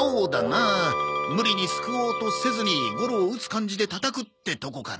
無理にすくおうとせずにゴロを打つ感じでたたく！ってとこかな。